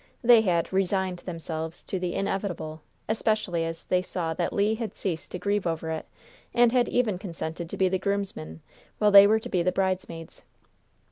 They had "resigned" themselves "to the inevitable," especially as they saw that Le had ceased to grieve over it, and had even consented to be the groomsman, while they were to be the bridesmaids.